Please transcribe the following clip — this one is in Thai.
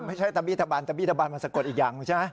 ตะบี้ตะบันตะบี้ตะบันมันสะกดอีกอย่างใช่ไหม